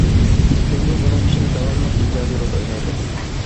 جۇڭگو بۇنىڭ ئۈچۈن داۋاملىق ئىجابىي رول ئوينايدۇ.